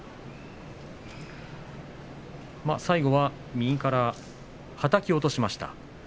最後は右からはたき落としました。